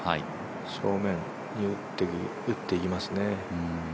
正面に打っていきますね。